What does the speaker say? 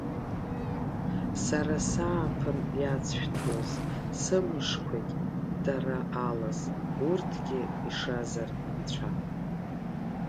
Сара сааԥын иацшәҭлоз сымшқәагь, дара алаз, урҭгьы ишазар Анцәа.